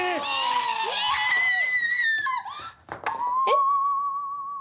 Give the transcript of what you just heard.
えっ？